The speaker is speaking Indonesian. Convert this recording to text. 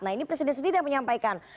nah ini presiden sendiri yang menyampaikan